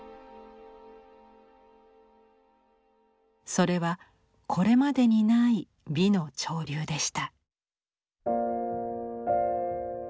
それはこれまでにない美の潮流でした。